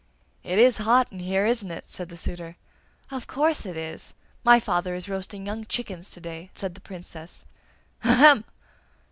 'It is hot in here, isn't it!' said the suitor. 'Of course it is! My father is roasting young chickens to day!' said the Princess. 'Ahem!